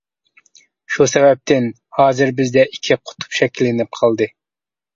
شۇ سەۋەبتىن ھازىر بىزدە ئىككى قۇتۇپ شەكىللىنىپ قالدى.